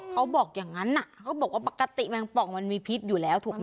เขาบอกอย่างนั้นเขาบอกว่าปกติแมงป่องมันมีพิษอยู่แล้วถูกไหม